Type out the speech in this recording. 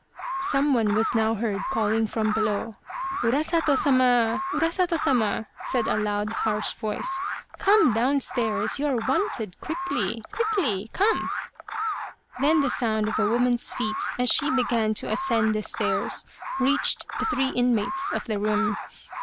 Some one was now heard calling from below. " Urasato Sama ! Urasato Sama !" said a loud K 145 Urasato, or the Crow of Dawn harsh voice, " come downstairs you are wanted quickly, quickly come !" Then the sound of a woman's feet as she began to ascend the stairs reached the three inmates of the room.